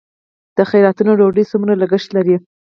د خیراتونو ډوډۍ څومره لګښت لري؟